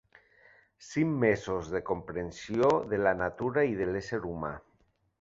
Cinc mesos de solitud, de comprensió de la naturalesa i de l'ésser humà.